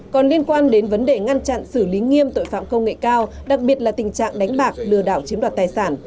còn liên quan đến vấn đề ngăn chặn xử lý nghiêm tội phạm công nghệ cao đặc biệt là tình trạng đánh bạc lừa đảo chiếm đoạt tài sản